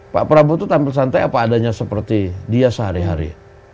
pak prabowo itu tampil santai apa adanya seperti dia sehari hari